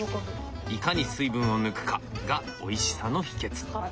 いかに水分を抜くかがおいしさの秘けつ。